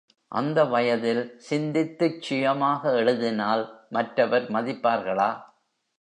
அந்த வயதில், சிந்தித்துச் சுயமாக எழுதினால், மற்றவர் மதிப்பார்களா?